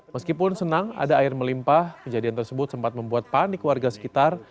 meskipun senang ada air melimpah kejadian tersebut sempat membuat panik warga sekitar